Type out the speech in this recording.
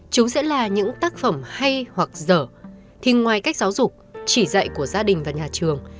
chúng sẽ là những tác phẩm hay hoặc dở thì ngoài cách giáo dục chỉ dạy của gia đình và nhà trường